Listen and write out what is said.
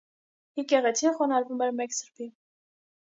Եկեղեցին խոնարհվում էր մեկ սրբի։